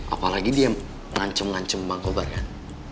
apalagi dia ngancem ngancem bang kobar kan